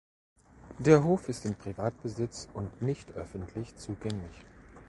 Der Hof ist in Privatbesitz und nicht öffentlich zugänglich.